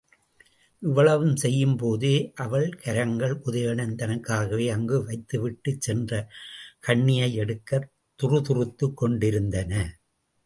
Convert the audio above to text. இவ்வளவும் செய்யும் போதே அவள் கரங்கள், உதயணன் தனக்காகவே அங்கு வைத்துவிட்டுச் சென்ற கண்ணியை எடுக்கத் துறுதுறுத்துக் கொண்டிருந்தன.